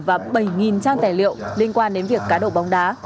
và bảy trang tài liệu liên quan đến việc cá độ bóng đá